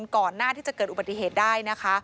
ก่อนหน้าที่จะเกิดอุบัติเหตุได้นะคะ